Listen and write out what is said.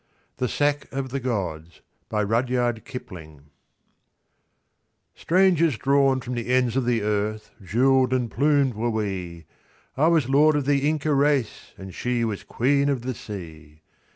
The Sack of the Gods STRANGERS drawn from the ends of the earth, jewelled and plumed were we;I was Lord of the Inca race, and she was Queen of the Sea.